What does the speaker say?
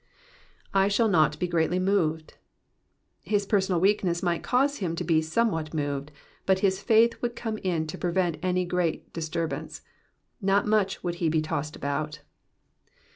/ shall not bs grecttly moved."*^ His personal weakness might cause him to be somewhat moved ; but his faith would come in to prevent any very sreat disturbance ; not much would he be tossed about.